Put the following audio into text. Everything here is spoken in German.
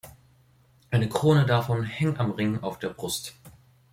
Eine Krone davon hing am Ring auf der Brust.